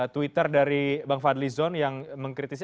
twitter dari bang fadlizon yang mengkritisi